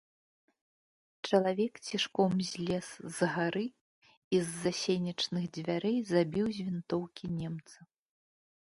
Чалавек цішком злез з гары і з-за сенечных дзвярэй забіў з вінтоўкі немца.